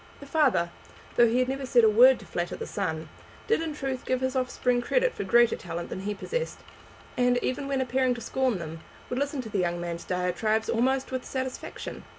The father, though he had never said a word to flatter the son, did in truth give his offspring credit for greater talent than he possessed, and, even when appearing to scorn them, would listen to the young man's diatribes almost with satisfaction.